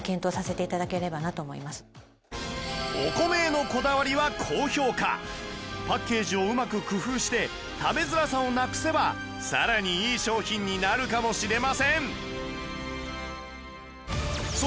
お米へのこだわりは高評価パッケージをうまく工夫して食べづらさをなくせば更にいい商品になるかもしれません